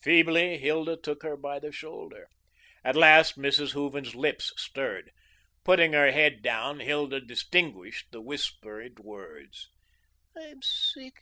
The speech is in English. Feebly Hilda shook her by the shoulder. At last Mrs. Hooven's lips stirred. Putting her head down, Hilda distinguished the whispered words: "I'm sick.